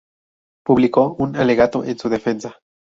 Publico un alegato en su defensa.